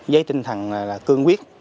giấy tinh thần là cương quyết